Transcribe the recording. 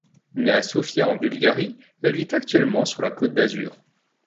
Née à Sofia, en Bulgarie, elle vit actuellement sur la Côte d'Azur.